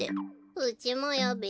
うちもよべ。